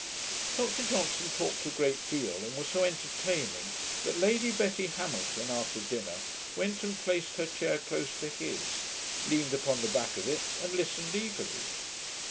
Dr Johnson talked a great deal, and was so entertaining, that Lady Betty Hamilton, after dinner, went and placed her chair close to his, leaned upon the back of it, and listened eagerly.